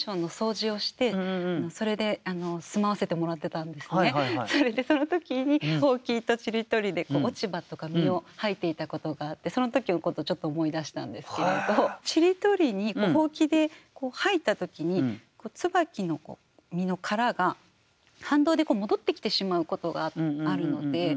私インディーズで活動していた頃にそれでその時にほうきとちりとりで落ち葉とか実を掃いていたことがあってその時のことちょっと思い出したんですけれどちりとりにほうきで掃いた時に椿の実の殻が反動で戻ってきてしまうことがあるので。